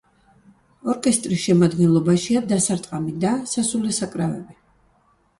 ორკესტრის შემადგენლობაშია დასარტყამი და სასულე საკრავები.